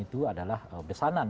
itu adalah besanan